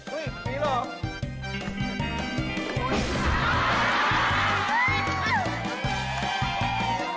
อุ๊ยมีหรอ